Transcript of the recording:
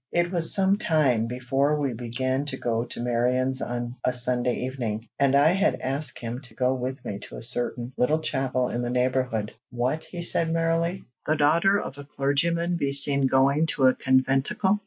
It was some time before we began to go to Marion's on a Sunday evening, and I had asked him to go with me to a certain, little chapel in the neighborhood. "What!" he said merrily, "the daughter of a clergyman be seen going to a conventicle?"